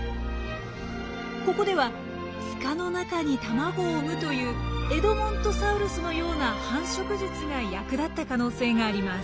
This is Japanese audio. ここでは塚の中に卵を産むというエドモントサウルスのような繁殖術が役立った可能性があります。